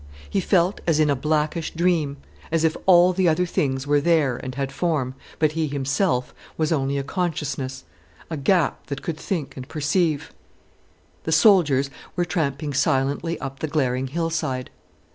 He felt as in a blackish dream: as if all the other things were there and had form, but he himself was only a consciousness, a gap that could think and perceive. The soldiers were tramping silently up the glaring hillside.